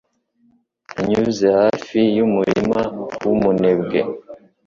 Nanyuze hafi y’umurima w’umunebwe